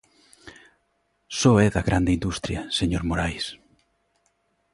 Só é da grande industria, señor Morais.